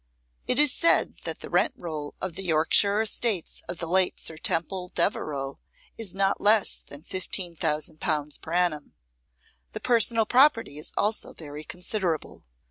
It is said that the rent roll of the Yorkshire estates of the late Sir Temple Devereux is not less than 15,000L. per annum. The personal property is also very considerable.